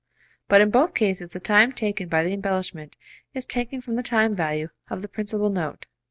But in both cases the time taken by the embellishment is taken from the time value of the principal note.